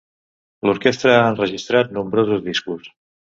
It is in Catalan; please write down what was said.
L'Orquestra ha enregistrat nombrosos discos.